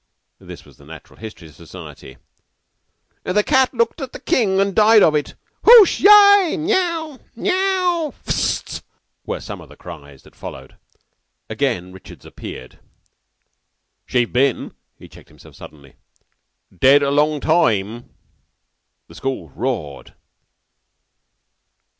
(This was the Natural History Society). "The cat looked at the King and died of it! Hoosh! Yai! Yaow! Maiow! Ftzz!" were some of the cries that followed. Again Richards appeared. "She've been" he checked himself suddenly "dead a long taime." The school roared.